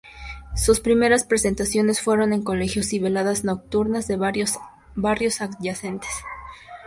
Sus primeras presentaciones fueron en colegios y veladas nocturnas de barrios adyacentes.